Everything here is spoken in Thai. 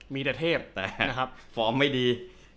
มีแต่เทพแต่ฟอร์มไม่ดี